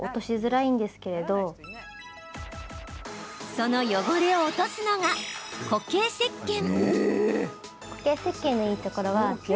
その汚れを落とすのが固形せっけん。